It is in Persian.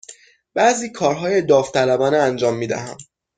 بعضی کارهای داوطلبانه انجام می دهم.